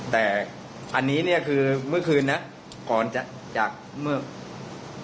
แต่อันนี้เนี่ยเมื่อคืนนะก่อนจากเเหละแบบนี้